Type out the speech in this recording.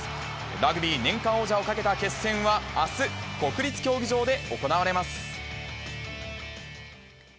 ラグビー年間王者をかけた決戦はあす、国立競技場で行われます。